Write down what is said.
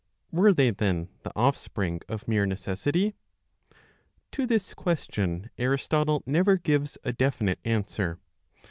Were they then the offspring of mere necessity } To this question Aristotle never gives a definite answer.